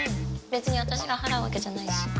別に私が払うわけじゃないし。